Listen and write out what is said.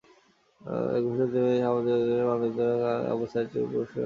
একই বছর তিনি সামাজিক ক্ষেত্রে মানবাধিকার রক্ষায় অবদানের জন্য আবু সায়েদ চৌধুরী পুরস্কার লাভ করেন।